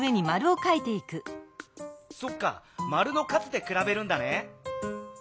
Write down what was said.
そっか丸の数でくらべるんだね。